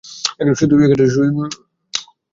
শুধু তারা দুই জন হাঁটছে।